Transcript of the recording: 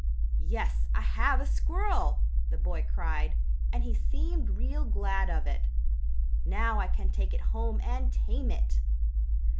"Yes, I have a squirrel!" the boy cried, and he seemed real glad of it. "Now I can take it home and tame it."